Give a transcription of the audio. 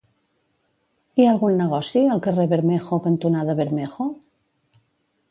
Hi ha algun negoci al carrer Bermejo cantonada Bermejo?